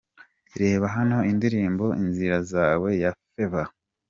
Reba hano indirimbo Inzira zawe ya Favour.